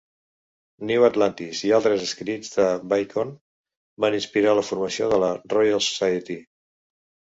"New Atlantis" i altres escrits de Bacon van inspirar la formació de la Royal Society.